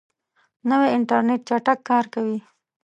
نوی انټرنیټ چټک کار کوي